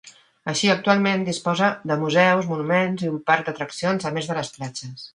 Així, actualment disposa de museus, monuments i un parc d'atraccions, a més de les platges.